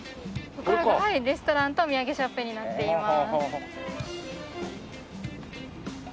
こちらがレストランとお土産ショップになっています。